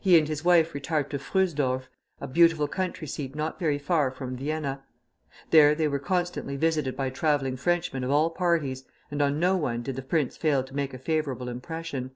He and his wife retired to Fröhsdorf, a beautiful country seat not very far from Vienna. There they were constantly visited by travelling Frenchmen of all parties, and on no one did the prince fail to make a favorable impression.